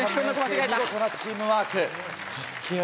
見事なチームワーク。